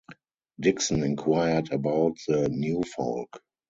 Dickson inquired about the "new folk."